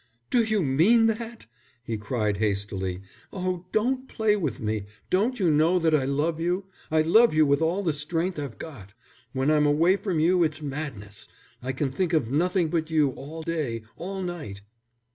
"Do you mean that?" he cried, hastily. "Oh, don't play with me. Don't you know that I love you? I love you with all the strength I've got. When I'm away from you it's madness; I can think of nothing but you all day, all night."